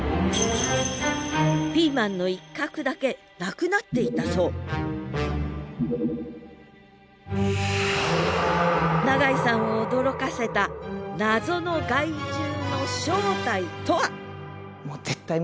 ピーマンの一角だけなくなっていたそう永井さんを驚かせた謎の害獣の正体とは？